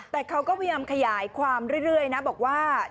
แต่เขาก็พยายามขยายความเรื่อยนะบอกว่า